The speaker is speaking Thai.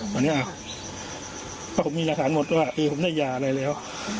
ตอนนี้อ่ะเพราะผมมีราษานหมดแล้วอ่ะเออผมได้ยาอะไรแล้ว